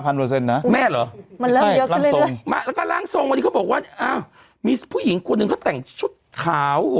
มันเริ่มเยอะกันเลยแล้วก็ล่างทรงวันนี้เขาบอกว่ามีผู้หญิงคนหนึ่งเขาแต่งชุดขาว